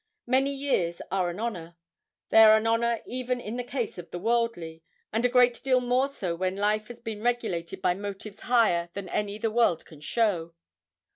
Many years are an honor. They are an honor even in the case of the worldly, and a great deal more so when life has been regulated by motives higher than any the world can show.